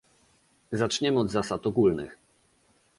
Zaczniemy od zasad ogólnych